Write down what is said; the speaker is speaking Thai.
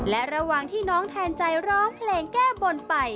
และระหว่างที่น้องแทนใจร้องเพลงแก้บนไป